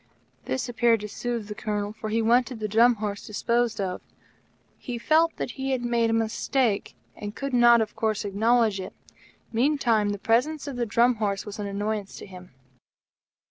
This appeared to soothe the Colonel, for he wanted the Drum Horse disposed of. He felt that he had made a mistake, and could not of course acknowledge it. Meantime, the presence of the Drum Horse was an annoyance to him.